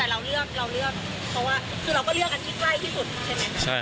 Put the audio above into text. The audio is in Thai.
เพราะว่าคือเราก็เลือกอันที่ใกล้ที่สุดใช่ไหม